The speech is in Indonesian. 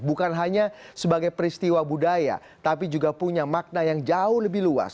bukan hanya sebagai peristiwa budaya tapi juga punya makna yang jauh lebih luas